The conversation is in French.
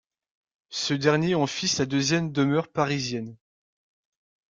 Ce dernier en fit sa deuxième demeure parisienne.